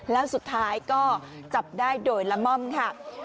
แล้วสุดท้ายก็จับได้โดยละม่อมค่ะ